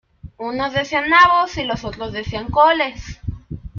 Unos decían nabos y los otros decían coles.